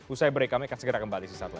usai break kami akan segera kembali sesaat lagi